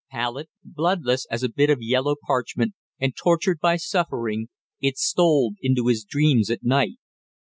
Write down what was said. Pallid, bloodless as a bit of yellow parchment, and tortured by suffering, it stole into his dreams at night.